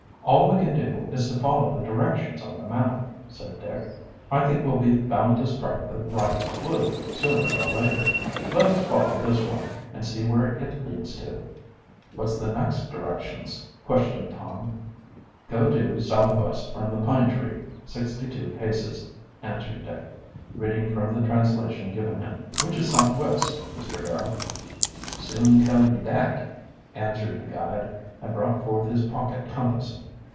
"All we can do is to follow the directions on the map," said Dick. "I think we'll be bound to strike the right clew, sooner or later. Let us follow this one and see where it leads to." "What's the next directions?" questioned Tom. "'Go due southwest from the pine tree sixty two paces,'" answered Dick, reading from the translation given him. "Which is southwest, Mr. Barrow?" "Soon tell ye that," answered the guide, and brought forth his pocket compass.